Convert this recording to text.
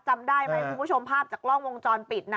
จำได้ไหมคุณผู้ชมภาพจากกล้องวงจรปิดนะ